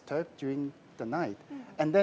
terlalu terganggu pada malam